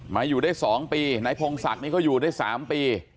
อยู่ได้๒ปีนายพงศักดิ์นี่เขาอยู่ได้๓ปี